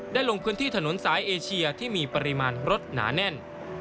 ลงพื้นที่ถนนสายเอเชียที่มีปริมาณรถหนาแน่น